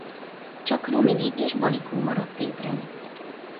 Csak Rumini és Balikó maradt ébren.